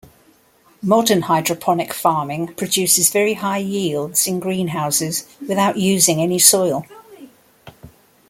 Modern hydroponic farming produces very high yields in greenhouses without using any soil.